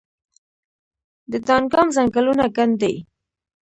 د دانګام ځنګلونه ګڼ دي